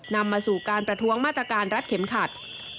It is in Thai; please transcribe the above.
นำมาสู่การประท้วงมาตรการรัดเข็มขัด